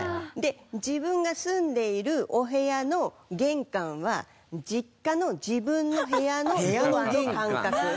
自分が住んでいるお部屋の玄関は実家の自分の部屋のドアの感覚。